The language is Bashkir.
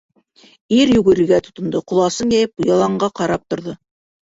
Ир йүгерергә тотондо, ҡоласын йәйеп яланға ҡарап торҙо.